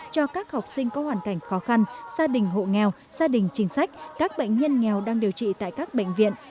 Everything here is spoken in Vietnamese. cho các học sinh có hoàn cảnh khó khăn gia đình hộ nghèo gia đình chính sách các bệnh nhân nghèo đang điều trị tại các bệnh viện